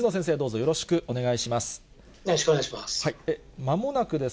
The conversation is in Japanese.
よろしくお願いします。